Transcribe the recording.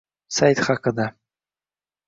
Sayt haqida